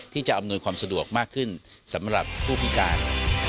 จะอำนวยความสะดวกมากขึ้นสำหรับผู้พิการ